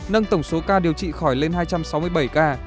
nâng tổng số ca điều trị khỏi lên hai trăm sáu mươi bảy ca